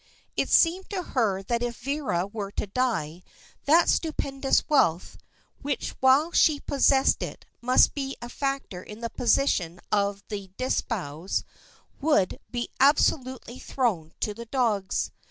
It seemed to her that if Vera were to die, that stupendous wealth, which while she possessed it must be a factor in the position of the Disbrowes, would be absolutely thrown to the dogs.